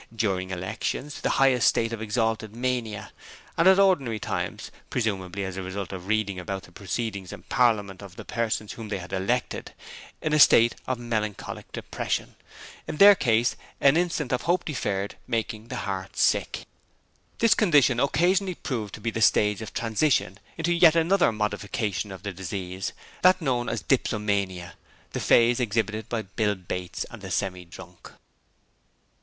During elections, the highest state of exalted mania; and at ordinary times presumably as a result of reading about the proceedings in Parliament of the persons whom they had elected in a state of melancholic depression, in their case an instance of hope deferred making the heart sick. This condition occasionally proved to be the stage of transition into yet another modification of the disease that known as dipsomania, the phase exhibited by Bill Bates and the Semi drunk.